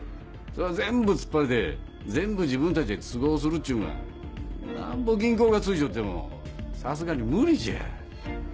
それ全部突っぱねて全部自分たちで都合するっちゅうんはなんぼ銀行がついちょってもさすがに無理じゃ。